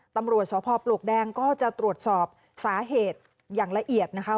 ตำรวจสพปลวกแดงก็จะตรวจสอบสาเหตุอย่างละเอียดนะคะ